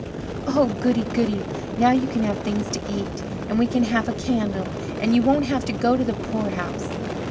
"Oh, goody! goody! now you can have things to eat! and we can have a candle! and you won't have to go to the poorhouse!"